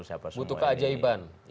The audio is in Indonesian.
siapa semua ini